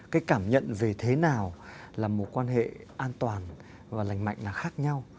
cái cảm nhận về thế nào là mối quan hệ an toàn và lành mạnh là khác nhau